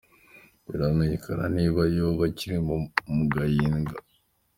Ntibiramenyekana niba yoba akiri mu gahinga.